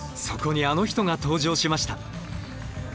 そこにあの人が登場しました。